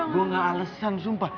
gue gak alesan sumpah